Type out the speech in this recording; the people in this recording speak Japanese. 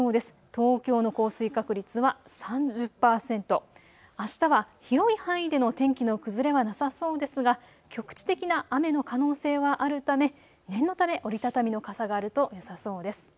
東京の降水確率は３０％、あしたは広い範囲での天気の崩れはなさそうですが局地的な雨の可能性はあるため念のため折り畳みの傘があるとよさそうです。